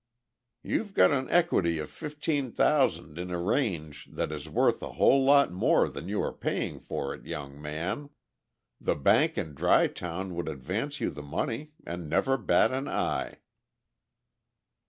"You've got an equity of fifteen thousand in a range that is worth a whole lot more than you are paying for it, young man! The bank in Dry Town would advance you the money and never bat an eye."